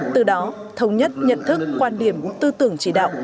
từ đó thống nhất nhận thức quan điểm tư tưởng chỉ đạo